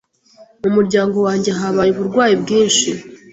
Mu muryango wanjye habaye uburwayi bwinshi.